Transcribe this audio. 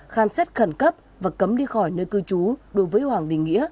khám xét khẩn cấp và cấm đi khỏi nơi cư trú đối với hoàng đình nghĩa